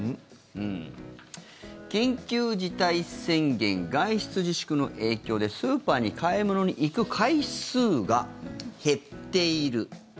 緊急事態宣言、外出自粛の影響でスーパーに買い物に行く回数が減っている。